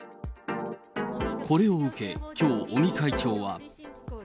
これを受け、きょう、尾身会長は。